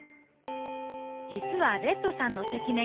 実はレッドさんの赤面